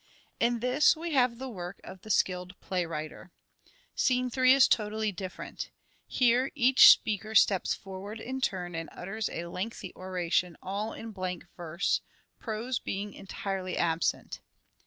In this we have the work of the skilled playwriter. Scene three is totally different. Here each speaker steps forward in turn and utters a lengthy oration all in blank verse ; prose being entirely absent.